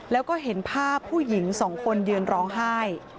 แล้วก็เห็นภาพผู้หญิงสองคนยืนร้องไห้